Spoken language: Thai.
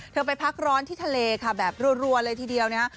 ไปพักร้อนที่ทะเลค่ะแบบรัวเลยทีเดียวนะฮะ